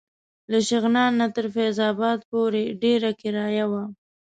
له شغنان نه تر فیض اباد پورې ډېره کرایه وه.